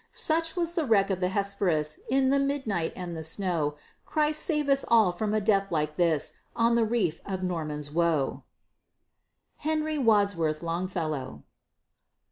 Such was the wreck of the Hesperus, In the midnight and the snow! Christ save us all from a death like this, On the reef of Norman's Woe! HENRY WADSWORTH LONGFELLOW.